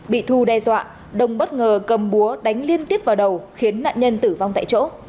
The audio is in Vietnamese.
bị thu đe dọa đồng bất ngờ cầm búa đánh liên tiếp vào đầu khiến nạn nhân tử vong tại chỗ